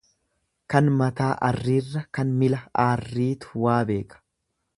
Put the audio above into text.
Kan mataa arriirra kan mila arriitu waa beeka.